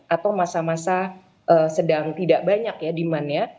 atau masa masa sedang tidak banyak ya demandnya